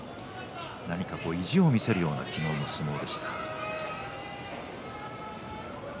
何か意地を見せるような昨日の相撲でした。